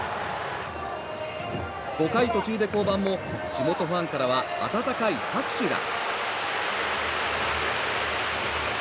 ５回途中で降板も地元ファンからは温かい拍手が。